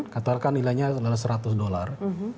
katakan nilainya adalah seratus dollar